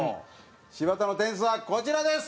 柴田の点数はこちらです。